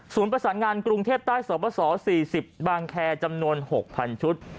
ประสานงานกรุงเทพใต้สบส๔๐บางแคร์จำนวน๖๐๐๐ชุด